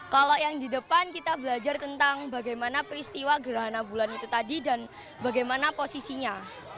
kalau yang di depan kita belajar tentang bagaimana peristiwa gerhana bulan itu tadi dan bagaimana posisinya